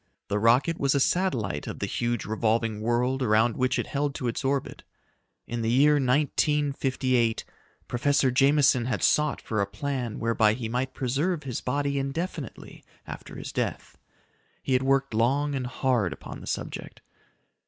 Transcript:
The rocket was a satellite of the huge, revolving world around which it held to its orbit. In the year 1958, Professor Jameson had sought for a plan whereby he might preserve his body indefinitely after his death. He had worked long and hard upon the subject.